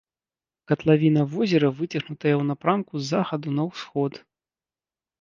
Катлавіна возера выцягнутая ў напрамку з захаду на ўсход.